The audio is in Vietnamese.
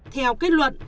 theo kết luận